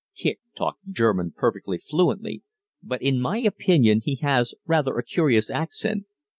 Kicq talked German perfectly fluently, but in my opinion he has rather a curious accent.